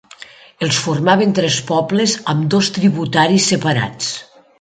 Els formaven tres pobles amb dos tributaris separats.